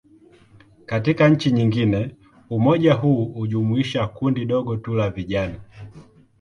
Katika nchi nyingine, umoja huu hujumuisha kundi dogo tu la vijana.